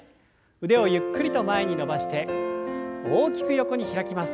腕をゆっくりと前に伸ばして大きく横に開きます。